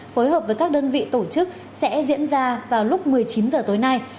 phối hợp với các đơn vị tổ chức sẽ diễn ra vào lúc một mươi chín h tối nay